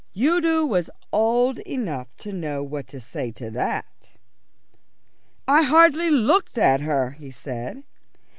Udo was old enough to know what to say to that. "I hardly looked at her," he said.